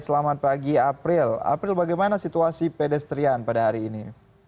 selamat pagi april april bagaimana situasi pedestrian pada hari ini